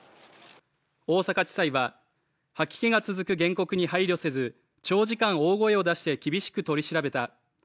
大阪地裁は、吐き気が続く原告に配慮せず長時間、大声を出して厳しく取り調べた。